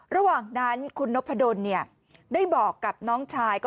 ระหว่างนั้นคุณนพดลได้บอกกับน้องชาย